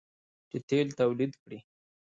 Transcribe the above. چې تیل تولید کړي.